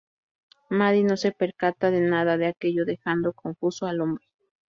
Maddie no se percata de nada de aquello, dejando confuso al hombre.